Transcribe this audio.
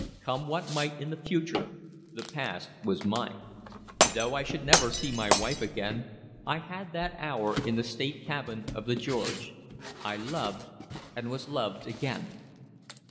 Come what might in the future, the past was mine. Though I should never see my wife again, I had that hour in the state cabin of the George. I loved, and was loved again.